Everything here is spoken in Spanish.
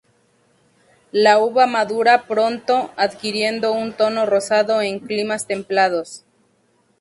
La uva madura pronto, adquiriendo un tono rosado en climas templados.